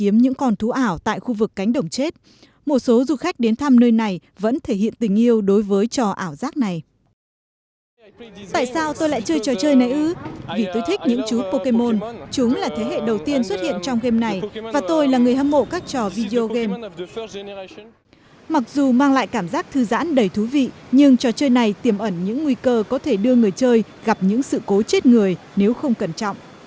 mặc dù mang lại cảm giác thư giãn đầy thú vị nhưng trò chơi này tiềm ẩn những nguy cơ có thể đưa người chơi gặp những sự cố chết người nếu không cẩn trọng